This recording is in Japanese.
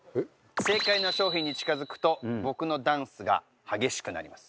正解の商品に近付くと僕のダンスが激しくなります。